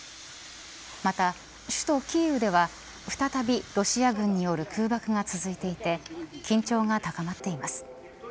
また、首都キーウでは再びロシア軍による空爆が続いていて緊張が高まっています。